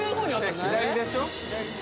左でしょ？